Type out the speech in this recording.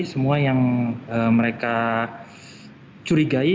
semua yang mereka curigai